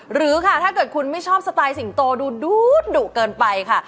หรือค่ะถ้าเกิดคุณไม่ชอบสไตล์สิงโตดูดุเกินไปค่ะ